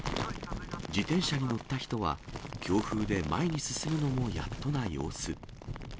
自転車に乗った人は、強風で前に進むのもやっとな様子。